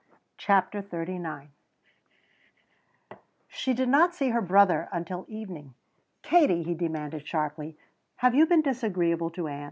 CHAPTER XXXIX She did not see her brother until evening. "Katie," he demanded sharply, "have you been disagreeable to Ann?"